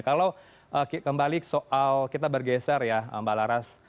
kalau kembali soal kita bergeser ya mbak laras